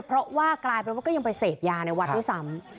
เพราะว่ากลายเป็นว่าก็ยังไปเสพยาในวัดด้วยซ้ำ